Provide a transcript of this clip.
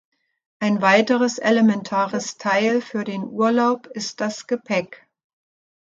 Ein weiteres elementares Teil für den Urlaub ist das Gepäck.